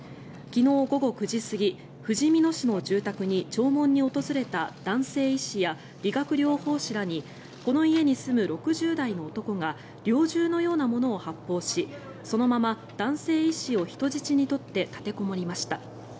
昨日午後９時過ぎふじみ野市の住宅に弔問に訪れた男性医師や理学療法士らにこの家に住む６０代の男が猟銃のようなものを発砲しそのまま男性医師を人質に取って立てこもりました。